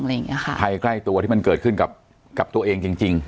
อะไรอย่างเงี้ค่ะภัยใกล้ตัวที่มันเกิดขึ้นกับกับตัวเองจริงจริง